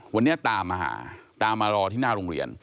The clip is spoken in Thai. วันนี้ตามมาหาตามมารอที่หน้าโรงเรียน